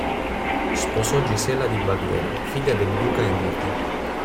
Sposò Gisella di Baviera, figlia del duca Enrico.